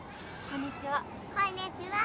こんにちは。